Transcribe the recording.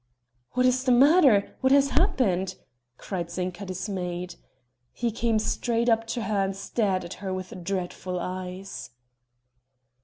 "What is the matter what has happened?" cried Zinka dismayed. He came straight up to her and stared at her with dreadful eyes.